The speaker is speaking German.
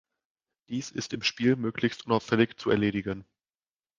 Dies ist im Spiel möglichst unauffällig zu erledigen.